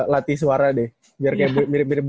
latih suara deh biar kayak mirip mirip